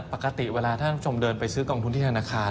ปกติเวลาท่านผู้ชมเดินไปซื้อกองทุนที่ธนาคาร